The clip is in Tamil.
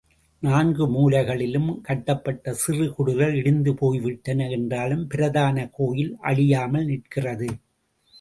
நான்கு மூலைகளிலும் கட்டப்பட்ட சிறு குடில்கள் இடிந்து போய் விட்டன என்றாலும், பிரதான கோயில் அழியாமல் நிற்கிறது.